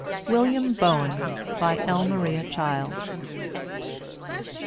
WILLIAM BOEN. BY L. MARIA CHILD.